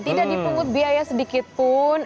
tidak dipungut biaya sedikit pun